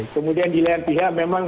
kemudian di lain pihak memang